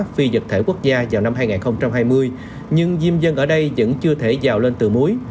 phi vật thể quốc gia vào năm hai nghìn hai mươi nhưng diêm dân ở đây vẫn chưa thể giàu lên từ muối